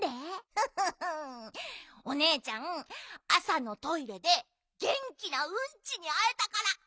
フフフおねえちゃんあさのトイレでげんきなうんちにあえたからうれしいの！